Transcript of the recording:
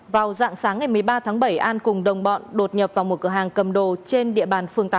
vào dạng sáng ngày một mươi ba tháng bảy an cùng đồng bọn đột nhập vào một cửa hàng cầm đồ trên địa bàn phường tám